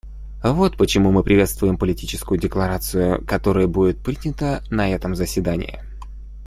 Вот почему мы приветствуем Политическую декларацию, которая будет принята на этом заседании.